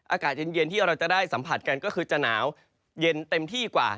อากาศเย็นที่เราจะได้สัมผัสกันก็คือจะหนาวเย็นเต็มที่กว่า